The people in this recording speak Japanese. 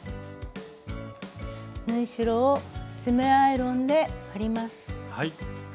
縫い代を爪アイロンで割ります。